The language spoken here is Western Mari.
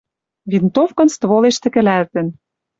Винтовкын стволеш тӹкӹлӓлтӹн.